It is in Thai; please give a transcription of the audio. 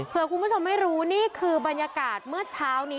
เพื่อคุณผู้ชมไม่รู้นี่คือบรรยากาศเมื่อเช้านี้